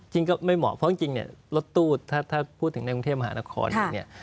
จริงก็ไม่เหมาะเพราะจริงเนี่ยรถตู้ถ้าพูดถึงในกรุงเทพมหานครเองเนี่ย